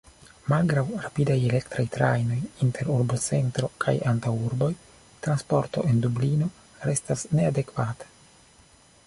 Malgraŭ rapidaj elektraj trajnoj inter urbocentro kaj antaŭurboj, transporto en Dublino restas neadekvata.